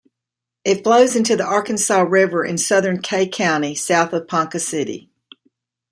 It flows into the Arkansas River in southern Kay County, south of Ponca City.